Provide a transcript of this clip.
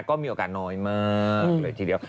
ก็มีโอกาสน้อยมากเลยทีเดียว